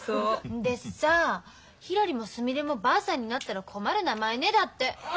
でさ「ひらりもすみれもばあさんになったら困る名前ね」だって。